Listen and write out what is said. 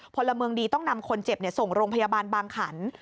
พลเมืองดีต้องนำคนเจ็บส่งโรงพยาบาลบางขัน